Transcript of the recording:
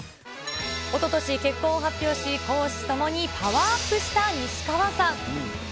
おととし結婚を発表し、公私ともにパワーアップした西川さん。